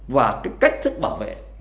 và cách thức bảo vệ